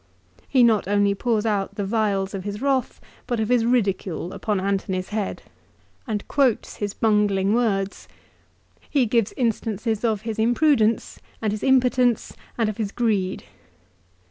He not only pours out the vials of his wrath, but of his ridicule upon Antony's head, and 250 LIFE OF CICERO. quotes his bungling words. He gives instances of his imprudence and his impotence, and of his greed.